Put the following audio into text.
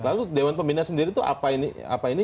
lalu dewan pembina sendiri itu apa ini